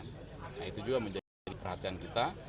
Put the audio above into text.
nah itu juga menjadi perhatian kita